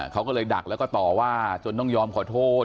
เขาก็เลยดักแล้วก็ต่อว่าจนต้องยอมขอโทษ